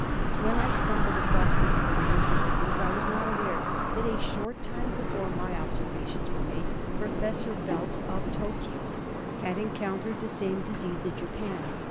When I stumbled across this Formosan disease I was not aware that a short time before my observations were made Professor Baelz, of Tokio, had encountered the same disease in Japan.